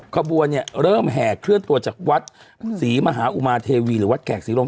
ขบวนเนี่ยเริ่มแห่เคลื่อนตัวจากวัดศรีมหาอุมาเทวีหรือวัดแขกศรีรม